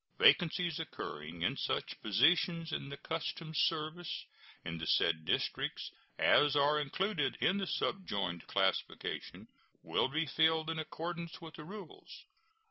Vacancies occurring in such positions in the customs service in the said districts as are included in the subjoined classification will be filled in accordance with the rules.